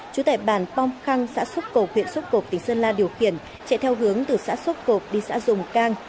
chú tẻ bàn bong khăng xã xúc cộp huyện xúc cộp tỉnh sơn la điều khiển chạy theo hướng từ xã xúc cộp đi xã dùng cang